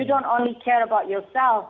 anda tidak hanya peduli tentang diri anda